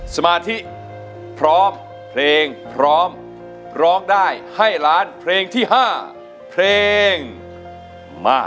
สมาธิพร้อมเพลงพร้อมร้องได้ให้ล้านเพลงที่๕เพลงมา